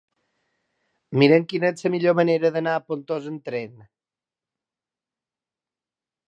Mira'm quina és la millor manera d'anar a Pontós amb tren.